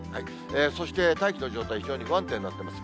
そして、大気の状態、非常に不安定になってます。